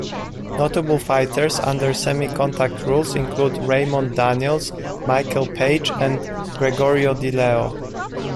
Notable fighters under semi-contact rules include Raymond Daniels, Michael Page, and Gregorio Di Leo.